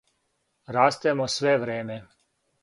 Растемо све време.